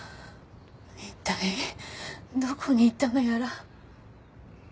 一体どこに行ったのやら。